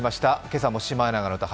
今朝も「シマエナガの歌」